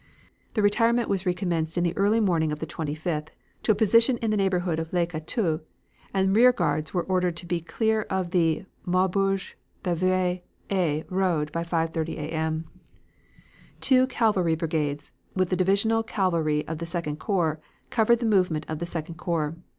"The retirement was recommenced in the early morning of the 25th to a position in the neighborhood of Le Cateau, and rearguards were ordered to be clear of the Maubeuge Bavai Eih Road by 5.30 A. M. "Two cavalry brigades, with the divisional cavalry of the Second Corps, covered the movement of the Second Corps.